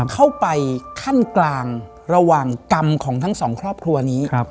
เข้าไปขั้นกลางระหว่างกรรมของทั้งสองครอบครัวนี้